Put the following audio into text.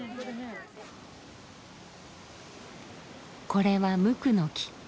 これはムクノキ。